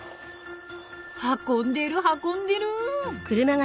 運んでる運んでる。